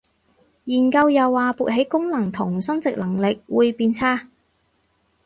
研究又話勃起功能同生殖能力會變差